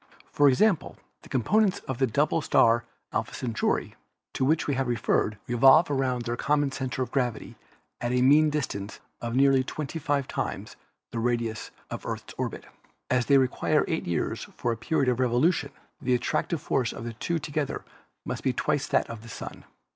For example, the com THE CONSTELLATIONS 269 ponents of the double star Alpha Centauri, to which we have referred, revolve around their common center of gravity at a mean distance of nearly twenty five times the radius of the Earth's orbit. As they require 8 years for a period of revolution, the attractive force of the two to gether must be twice that of the Sun.